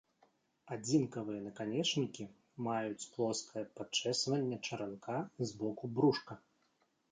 Адзінкавыя наканечнікі маюць плоскае падчэсванне чаранка з боку брушка.